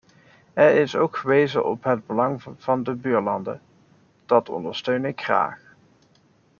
Er is ook gewezen op het belang van de buurlanden, dat ondersteun ik graag.